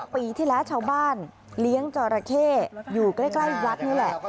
ปีที่แล้วชาวบ้านเลี้ยงจอราเข้อยู่ใกล้วัดนี่แหละ